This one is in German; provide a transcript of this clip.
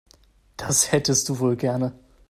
Das hättest du wohl gerne.